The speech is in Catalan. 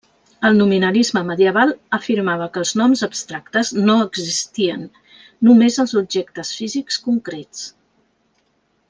El nominalisme medieval afirmava que els noms abstractes no existien, només els objectes físics concrets.